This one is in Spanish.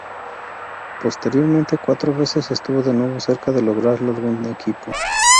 Posteriormente, cuatro veces estuvo de nuevo cerca de lograrlo algún equipo.